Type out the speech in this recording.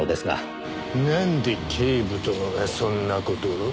なんで警部殿がそんな事を？